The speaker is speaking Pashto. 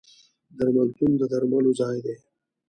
درملتون د درملو ځای دی.